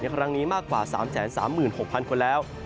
ในกำลังนี้มากกว่า๓๓๖๐๐๐คนแล้ว